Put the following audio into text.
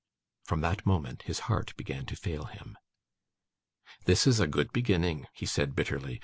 From that moment, his heart began to fail him. 'This is a good beginning,' he said bitterly.